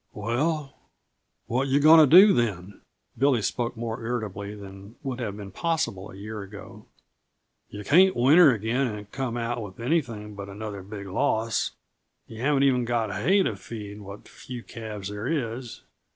"Well, what yuh going to do, then?" Billy spoke more irritably than would have been possible a year ago. "Yuh can't winter again and come out with anything but another big loss. Yuh haven't even got hay to feed what few calves there is.